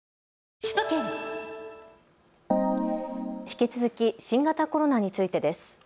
引き続き新型コロナについてです。